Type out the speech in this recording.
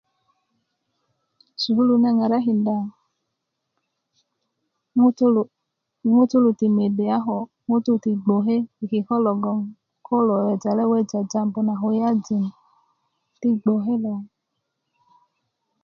sukulu na ŋarakinda ŋutulu ŋutulu ti mede a ko ŋutulu ti bgoke i kiko logon ko kulo wejal weja jambu na kulyajin ti bgoke lo